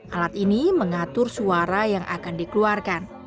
alat ini mengatur suara yang akan dikeluarkan